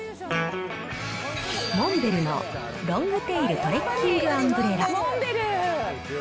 モンベルのロングテイル・トレッキングアンブレラ。